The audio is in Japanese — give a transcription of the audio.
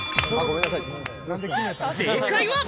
正解は？